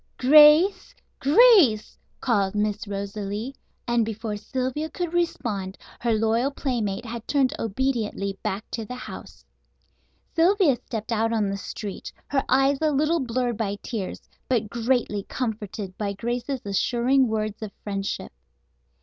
"Grace! Grace!" called Miss Rosalie, and before Sylvia could respond her loyal playmate had turned obediently back to the house. Sylvia stepped out on the street, her eyes a little blurred by tears, but greatly comforted by Grace's assuring words of friendship.